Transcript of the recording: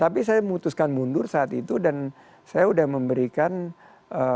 tapi saya memutuskan mundur saat itu dan saya sudah memberikan